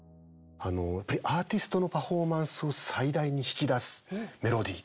あのアーティストのパフォーマンスを最大に引き出すメロディー